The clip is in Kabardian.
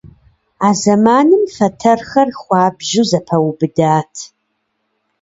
А зэманым фэтэрхэр хуабжьу зэпэубыдат.